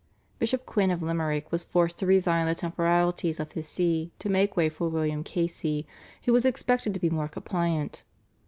Bishop Quinn of Limerick was forced to resign the temporalities of his See to make way for William Casey, who was expected to be more compliant.